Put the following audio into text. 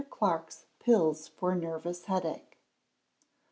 Clark's Pills for Nervous Headache.